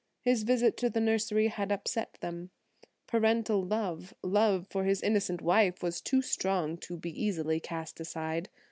His visit to the nursery had upset them; parental love, love for his innocent wife, was too strong to be easily cast aside.